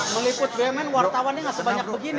meliput bumn wartawannya nggak sebanyak begini